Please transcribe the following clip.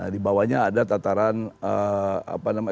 di bawahnya ada tataran apa namanya